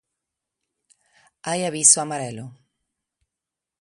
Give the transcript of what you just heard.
Hai aviso amarelo.